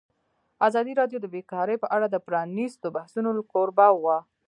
ازادي راډیو د بیکاري په اړه د پرانیستو بحثونو کوربه وه.